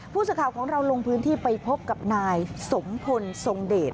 ผู้สื่อข่าวของเราลงพื้นที่ไปพบกับนายสมพลทรงเดช